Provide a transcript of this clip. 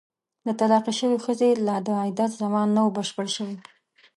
د طلاقې شوې ښځې لا د عدت زمان نه وو بشپړ شوی.